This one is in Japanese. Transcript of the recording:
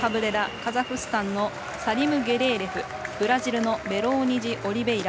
カザフスタン、サリムゲレーレフブラジル、メローニジオリベイラ。